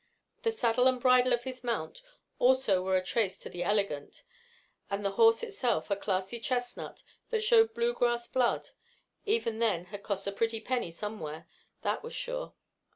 The saddle and bridle of his mount also were a trace to the elegant, and the horse itself, a classy chestnut that showed Blue Grass blood, even then had cost a pretty penny somewhere, that was sure.